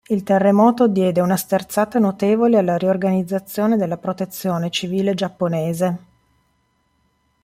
Il terremoto diede una sterzata notevole alla riorganizzazione della protezione civile giapponese.